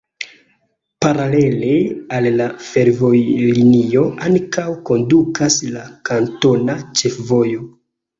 Paralele al la fervojlinio ankaŭ kondukas la kantona ĉefvojo.